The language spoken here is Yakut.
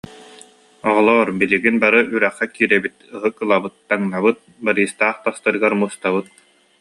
Оҕолоор, билигин бары үрэххэ киирэбит, ыһык ылабыт, таҥнабыт, Бористаах тастарыгар мустабыт